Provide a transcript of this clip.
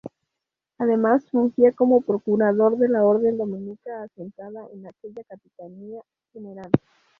Además fungía como procurador de la orden dominica asentada en aquella capitanía General.